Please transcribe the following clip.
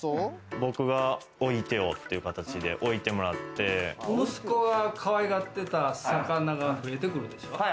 僕が置いてよっていう形で置息子がかわいがってた魚が増えてくるでしょ。